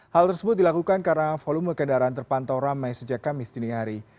hal tersebut dilakukan karena volume kendaraan terpantau ramai sejak kamis dini hari